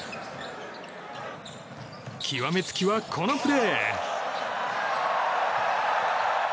極め付きは、このプレー。